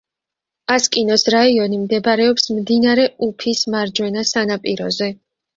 ასკინოს რაიონი მდებარეობს მდინარე უფის მარჯვენა სანაპიროზე.